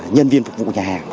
nhân viên phục vụ nhà hàng